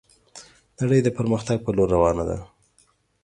نړي د پرمختګ په لور روانه ده